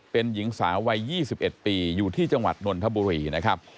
เป็นหญิงสาววัย๒๑ปีอยู่ที่จังหวัดนนทบุรีนะครับ